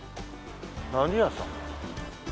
何屋さん？